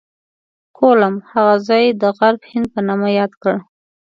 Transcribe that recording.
کولمب هغه ځای د غرب هند په نامه یاد کړ.